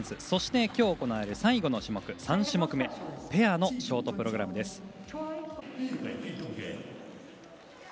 そしてきょう行われる最後の種目３種目め、ペアのショートプログラムです。